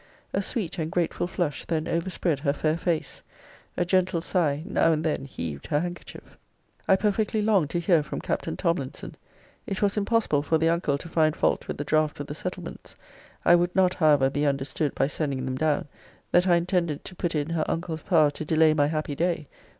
A sweet and grateful flush then overspread her fair face; a gentle sigh now and then heaved her handkerchief. I perfectly longed to hear from Captain Tomlinson. It was impossible for the uncle to find fault with the draught of the settlements. I would not, however, be understood, by sending them down, that I intended to put it in her uncle's power to delay my happy day.